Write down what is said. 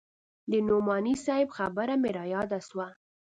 د نعماني صاحب خبره مې راياده سوه.